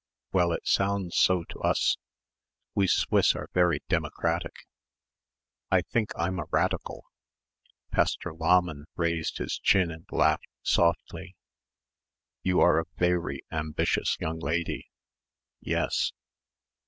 "Well, it sounds so to us. We Swiss are very democratic." "I think I'm a radical." Pastor Lahmann lifted his chin and laughed softly. "You are a vairy ambitious young lady." "Yes."